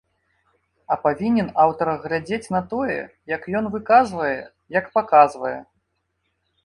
А павінен аўтар глядзець на тое, як ён выказвае, як паказвае.